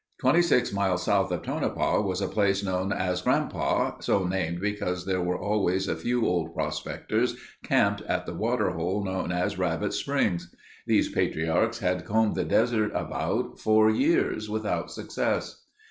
Twenty six miles south of Tonopah was a place known as Grandpa, so named because there were always a few old prospectors camped at the water hole known as Rabbit Springs. These patriarchs had combed the desert about, for years without success.